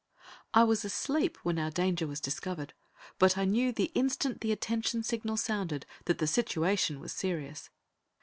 ] I was asleep when our danger was discovered, but I knew the instant the attention signal sounded that the situation was serious.